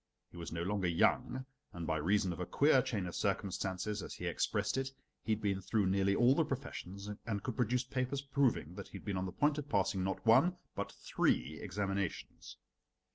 He was no longer young, and by reason of a queer chain of circumstances, as he expressed it, he had been through nearly all the professions and could produce papers proving that he had been on the point of passing not one but three examinations.